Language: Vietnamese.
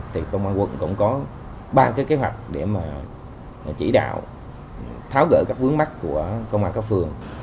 thì công an quận cũng có ba kế hoạch để chỉ đạo tháo gỡ các vướng mắt của công an phường